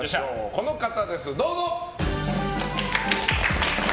この方です、どうぞ！